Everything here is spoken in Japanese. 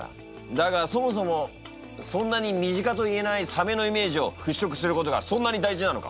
だがそもそもそんなに身近と言えないサメのイメージを払拭することがそんなに大事なのか？